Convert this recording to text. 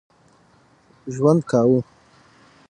ژوند کاوه.